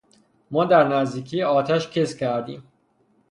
ما در نزدیکی آتش کز کردیم.